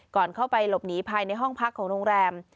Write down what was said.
ก่อนเข้าไปหลบหนีภายในห้องพักของโรงแรม